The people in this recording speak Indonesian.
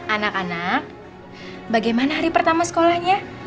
anak anak bagaimana hari pertama sekolahnya